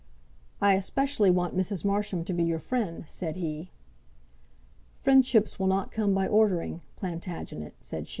"I especially want Mrs. Marsham to be your friend," said he. "Friendships will not come by ordering, Plantagenet," said she.